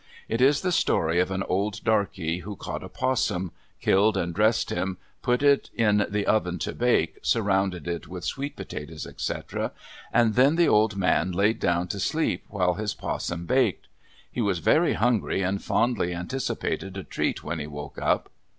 It is the story of an old darky who caught a 'possum, killed and dressed him, put it in the oven to bake, surrounding it with sweet potatoes, etc., and then the old man laid down to sleep while his 'possum baked. He was very hungry, and fondly anticipated a treat when he woke up.